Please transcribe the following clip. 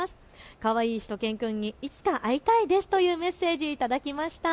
かわいいしゅと犬くんにいつか会いたいですというメッセージ、頂きました。